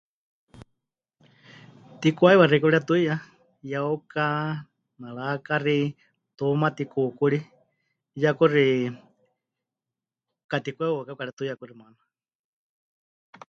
Mɨtikwaiwa xeikɨ́a pɨretuiya: yeuka, naraakaxi, tumati, kuukuri. 'Iyá kuxi mɨtikwaiwa waɨká pɨkaretuiya kuxi maana.